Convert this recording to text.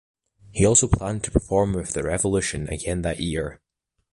He also planned to perform with The Revolution again that year.